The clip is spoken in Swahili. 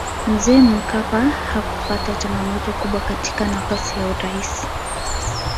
mzee mkapa hakupata changamoto kubwa katika nafasi ya uraisi